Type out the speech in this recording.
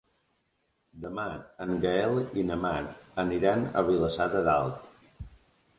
Demà en Gaël i na Mar aniran a Vilassar de Dalt.